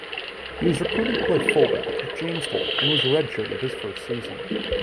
He was recruited to play fullback at Jamestown and redshirted his first season.